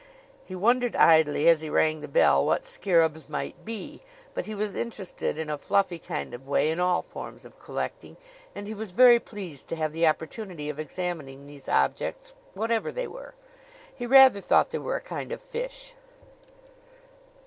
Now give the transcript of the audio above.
He wondered idly, as he rang the bell, what scarabs might be; but he was interested in a fluffy kind of way in all forms of collecting, and he was very pleased to have the opportunity of examining these objects; whatever they were. He rather thought they were a kind of fish.